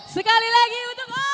sekali lagi untuk ojo